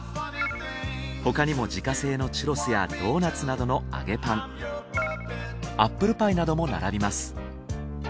他にも自家製のチュロスやドーナツなどの揚げパンアップルパイなども並びます。